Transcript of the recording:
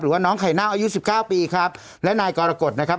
หรือว่าน้องไข่น่าวอายุ๑๙ปีครับและนายกรกฏนะครับ